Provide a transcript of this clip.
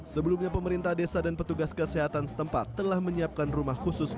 sebelumnya pemerintah desa dan petugas kesehatan setempat telah menyiapkan rumah khusus